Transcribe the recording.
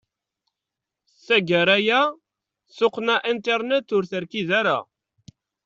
Taggara aya, tuqqna internet ur terkid ara.